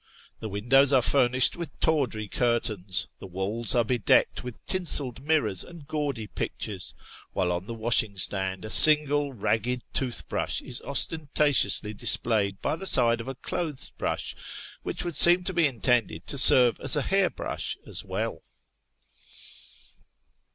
The windows are furnished with tawdry curtains ; the walls are bedecked with tinselled mirrors and gaudy pictures; while on the washing stand a single ragged tooth brush is ostentatiously displayed by the side of a clothes brush, which would seem to be intended to serve as a hair brush as well.